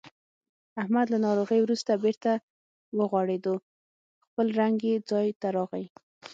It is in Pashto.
احمد له ناروغۍ ورسته بېرته و غوړېدو. خپل رنګ یې ځای ته راغی.